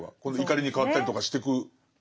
怒りに変わったりとかしてく。